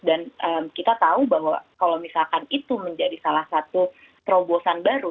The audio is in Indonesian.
dan kita tahu bahwa kalau misalkan itu menjadi salah satu terobosan baru